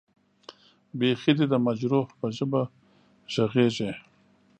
بېخي دې د مجروح به ژبه غږېږې.